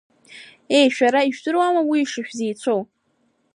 Еи, шәара ижәдыруама уи шышәзеицәоу?